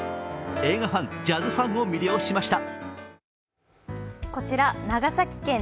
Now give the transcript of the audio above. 映画ファン、ジャズファンを魅了しました。